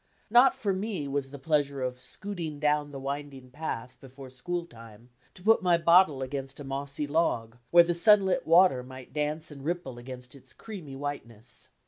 Not for me was the pleasure of "scooting" down the winding path before school time to put my bottle against a mossy log, where the sunlit water might dance and ripple against its creamy whiteness.